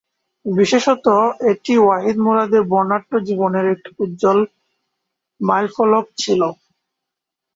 বিশেষত এটি ওয়াহিদ মুরাদের বর্ণাঢ্য জীবনের একটি উজ্জ্বল মাইলফলক ছিল।